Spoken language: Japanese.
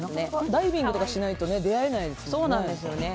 ダイビングとかしないと出会えないですもんね。